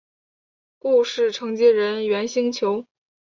故事承接人猿星球。